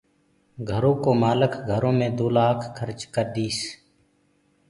گھرو ڪو مآلڪ گھرو مي دو لآک کرچ ڪرديس